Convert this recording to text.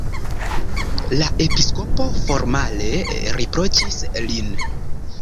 La episkopo formale riproĉis lin.